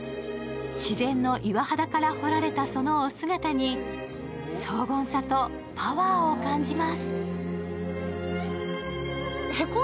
自然の岩肌から彫られたそのお姿に荘厳さとパワーを感じます。